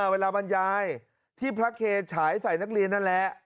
บรรยายที่พระเคฉายใส่นักเรียนนั่นแหละ